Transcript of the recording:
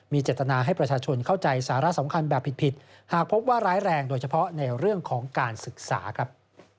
เจตนาให้ประชาชนเข้าใจสาระสำคัญแบบผิดหากพบว่าร้ายแรงโดยเฉพาะในเรื่องของการศึกษาครับ